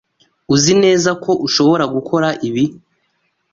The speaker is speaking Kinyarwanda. Uzi neza ko ushobora gukora ibi?